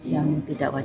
yang tidak berhasil